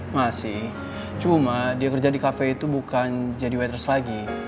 masih cuma dia kerja di kafe itu bukan jadi waters lagi